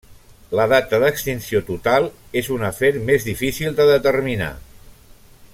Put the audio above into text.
La data d'extinció total és un afer més difícil de determinar.